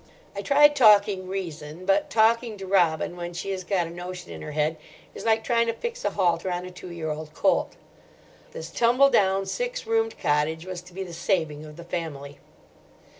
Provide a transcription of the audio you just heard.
I tried talking reason, but talking to Robin when she has got a notion in her head is like trying to fix a halter on a two year old colt. This tumble down, six roomed cottage was to be the saving of the family.